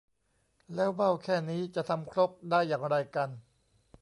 แล้วเบ้าแค่นี้จะทำครกได้อย่างไรกัน